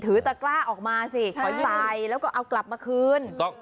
ถือตะกล้าออกมาสิขอจ่ายแล้วก็เอากลับมาคืน